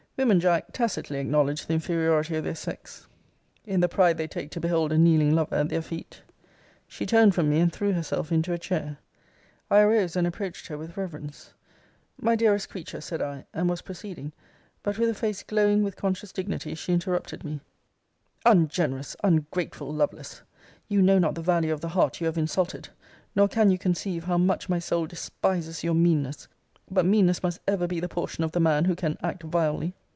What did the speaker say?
Women, Jack, tacitly acknowledge the inferiority of their sex, in the pride they take to behold a kneeling lover at their feet. She turned from me, and threw herself into a chair. I arose and approached her with reverence. My dearest creature, said I, and was proceeding, but, with a face glowing with conscious dignity, she interrupted me Ungenerous, ungrateful Lovelace! You know not the value of the heart you have insulted! Nor can you conceive how much my soul despises your meanness. But meanness must ever be the portion of the man, who can act vilely!